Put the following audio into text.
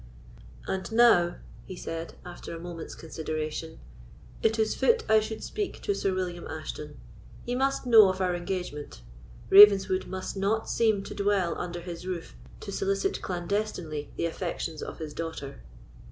"And now," he said, after a moment's consideration, "it is fit I should speak to Sir William Ashton; he must know of our engagement. Ravenswood must not seem to dwell under his roof to solicit clandestinely the affections of his daughter."